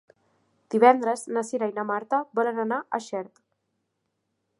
Divendres na Cira i na Marta volen anar a Xert.